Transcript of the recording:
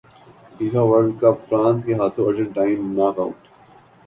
FIFA World cup France کے ہاتھوں Argentine knock out